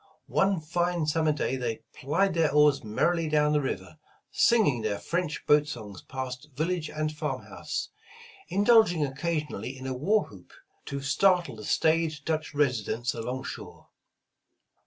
One fine summer day they plied their oars merrily down the river, singing their French boat songs past village and farm house, indulging oc casionally in a war whoop to startle the staid Dutch residents along shore.